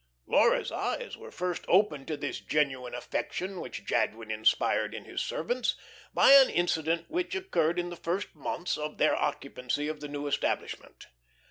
Laura's eyes were first opened to this genuine affection which Jadwin inspired in his servants by an incident which occurred in the first months of their occupancy of the new establishment.